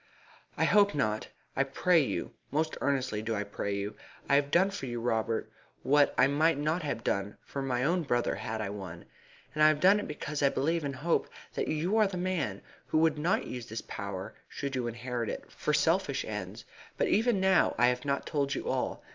"I hope not I pray not most earnestly do I pray not. I have done for you, Robert, what I might not have done for my own brother had I one, and I have done it because I believe and hope that you are a man who would not use this power, should you inherit it, for selfish ends. But even now I have not told you all.